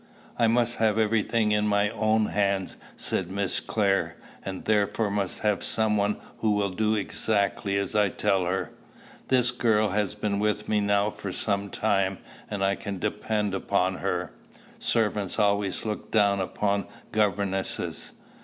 "I must have every thing in my own hands," said Miss Clare; "and therefore must have some one who will do exactly as I tell her. This girl has been with me now for some time, and I can depend upon her. Servants always look down upon governesses."